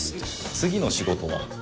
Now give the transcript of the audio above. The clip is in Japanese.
次の仕事は？